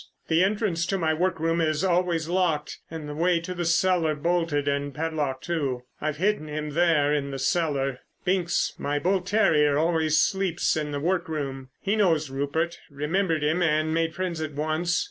The entrance to my workroom is always locked and the way to the cellar bolted and padlocked, too. I've hidden him there, in the cellar. Binks, my bull terrier, always sleeps in the workroom. He knows Rupert, remembered him and made friends at once.